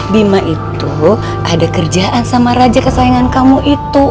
bima itu ada kerjaan sama raja kesayangan kamu itu